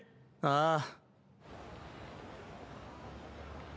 ああ。